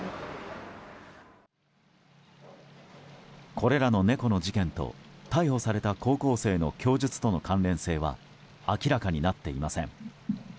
これらの猫の事件と逮捕された高校生の供述との関連性は明らかになっていません。